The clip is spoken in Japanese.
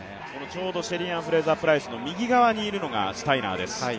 ちょうどシェリーアン・フレイザー・プライスの右側にいるのがスタイナーです。